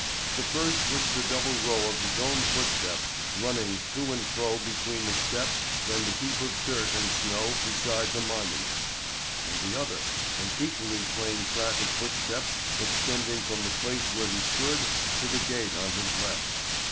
The first was the double row of his own footsteps running to and fro between the step and the heap of dirt and snow beside the monument; and the other, an equally plain track of footsteps extending from the place where he stood to the gate on his left.